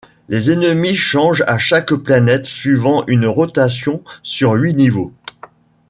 Les ennemis changent à chaque planète suivant une rotation sur huit niveaux.